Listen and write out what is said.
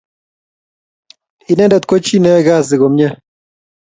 Inendet kochi neyae kazi komnye.